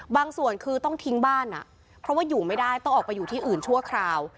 ส่วนคือต้องทิ้งบ้านเพราะว่าอยู่ไม่ได้ต้องออกไปอยู่ที่อื่นชั่วคราว